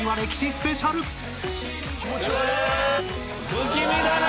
不気味だな。